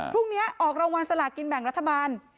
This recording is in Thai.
พรุ่งนี้ออกรางวัลสลากินแบ่งรัฐบาล